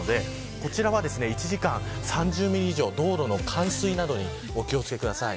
こちらは１時間３０ミリ以上道路の冠水などにお気を付けください。